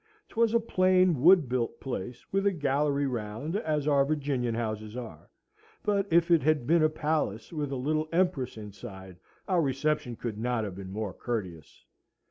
'Twas a plain, wood built place, with a gallery round, as our Virginian houses are; but if it had been a palace, with a little empress inside, our reception could not have been more courteous.